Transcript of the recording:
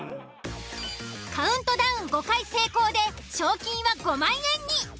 カウントダウン５回成功で賞金は５万円に。